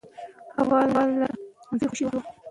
هوا له خېټې خوشې شوه.